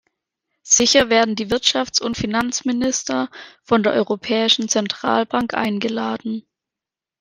Sicher werden die Wirtschafts- und Finanzminister von der Europäischen Zentralbank eingeladen.